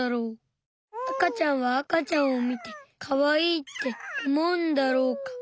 あかちゃんはあかちゃんを見てかわいいって思うんだろうか？